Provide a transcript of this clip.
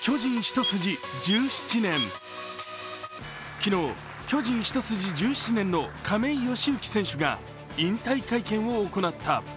昨日、巨人一筋１７年の亀井善行選手が引退会見を行った。